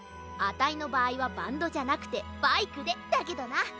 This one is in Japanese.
あたいのばあいはバンドじゃなくてバイクでだけどな。